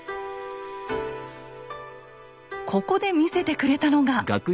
ここで見せてくれたのが。